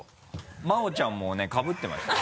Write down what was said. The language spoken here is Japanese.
真央ちゃんもねかぶってましたよ